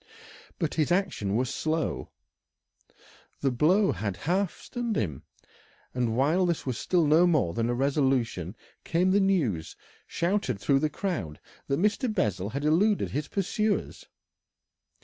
But his action was slow, the blow had half stunned him, and while this was still no more than a resolution came the news, shouted through the crowd, that Mr. Bessel had eluded his pursuers.